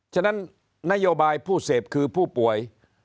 ฉะนั้นนโยบายผู้เสพคือผู้ป่วย